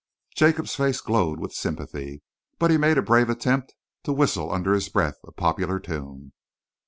Jacob's face glowed with sympathy, but he made a brave attempt to whistle under his breath a popular tune.